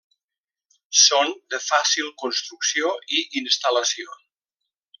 Són de fàcil construcció i instal·lació.